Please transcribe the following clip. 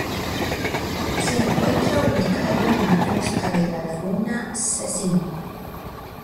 Se encuentra ubicado en la costa de la laguna de Szczecin.